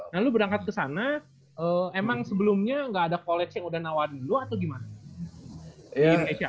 nah lu berangkat ke sana emang sebelumnya ga ada college yang udah nawarin lu atau gimana